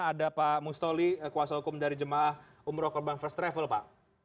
ada pak mustoli kuasa hukum dari jemaah umroh korban first travel pak